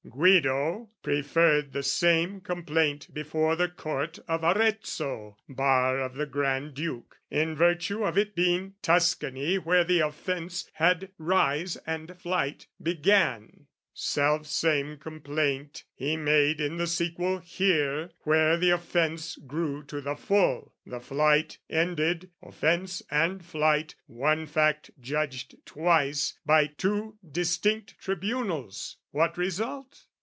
Guido preferred the same complaint before The court of Arezzo, bar of the Granduke, In virtue of it being Tuscany Where the offence had rise and flight began, Self same complaint he made in the sequel here Where the offence grew to the full, the flight Ended: offence and flight, one fact judged twice By two distinct tribunals, what result?